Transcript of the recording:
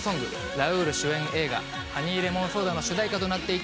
ラウール主演映画『ハニーレモンソーダ』の主題歌となっていて